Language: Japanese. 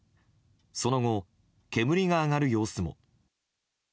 その後、煙が上がる様子も。